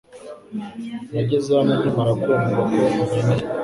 Nageze hano nkimara kumva ko unkeneye.